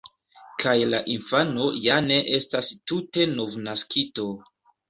Kaj la infano ja ne estas tute novnaskito.